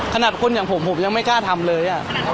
ขนาดคนอย่างผมผมยังไม่กล้าทำเลย